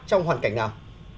trong hoàn cảnh nào